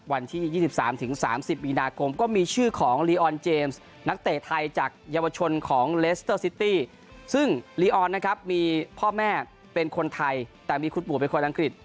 วันที่๒๓๓๐มีนาคมก็มีชื่อของลีออนเจมส์นักเตะไทยจากเยาวชนของเลสเตอร์ซิตี้ซึ่งลีออนนะครับมีพ่อแม่เป็นคนไทยแต่มีคุณปู่เป็นคนอังกฤษ